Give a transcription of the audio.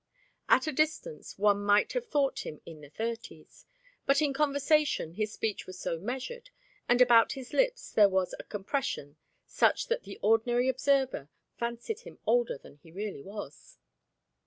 At a distance, one might have thought him in the thirties, but in conversation his speech was so measured, and about his lips there was a compression such that the ordinary observer fancied him older than he really was.